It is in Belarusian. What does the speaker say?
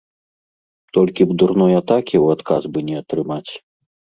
Толькі б дурной атакі ў адказ бы не атрымаць.